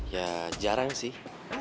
ya jarang sih